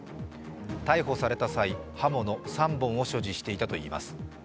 逮捕された際、刃物３本を所持していたといいます。